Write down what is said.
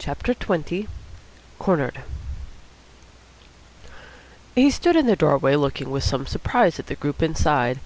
CHAPTER XX CORNERED He stood in the doorway looking with some surprise at the group inside.